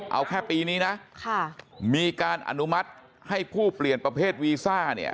เอาแค่ปีนี้นะมีการอนุมัติให้ผู้เปลี่ยนประเภทวีซ่าเนี่ย